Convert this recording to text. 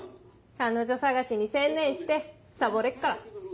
彼女捜しに専念してサボれっから。